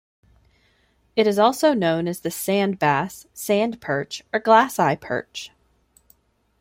It is also known as the sand bass, sand perch, or glasseye perch.